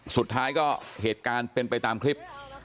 สุดท้ายก็เหตุการณ์เป็นไปตามคลิป